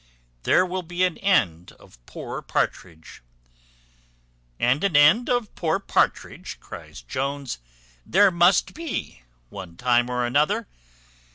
there will be an end of poor Partridge." "And an end of poor Partridge," cries Jones, "there must be, one time or other.